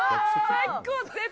最高！